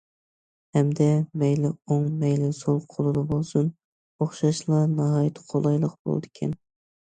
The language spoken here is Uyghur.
ھەمدە مەيلى ئوڭ مەيلى سول قولدا بولسۇن ئوخشاشلا ناھايىتى قولايلىق بولىدىكەن.